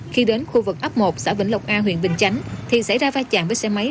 khi đến khu vực ấp một xã vĩnh lộc a huyện bình chánh thì xảy ra vai chạm với xe máy